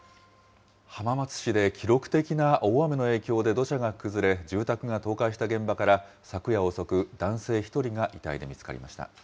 浜松市で記録的な大雨の影響で土砂が崩れ、住宅が倒壊した現場から昨夜遅く、男性１人が遺体で見つかりました。